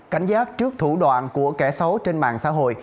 cảnh giác trước thủ đoạn của kẻ xấu trên mạng xã hội